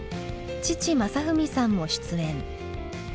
父雅文さんも出演。